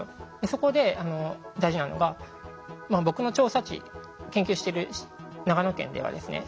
そこで大事なのが僕の調査地研究してる長野県ではですね